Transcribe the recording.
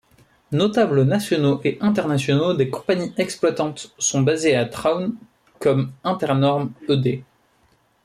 Notables nationaux et internationaux des compagnies exploitantes sont basés à Traun, comme Internorm, éd.